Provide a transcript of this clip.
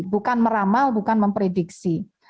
bukan meramal bukan memprediksi